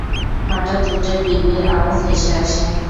হঠাৎ উটের বিড় বিড় আওয়াজ ভেসে আসে।